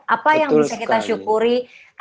apa yang bisa kita syukuri betul sekali